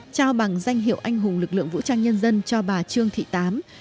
trao bằng danh hiệu anh hùng lực lượng vũ trang nhân dân cho bà trương thị tám